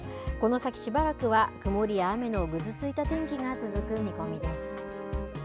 この先しばらくは曇りや雨のぐずついた天気が続く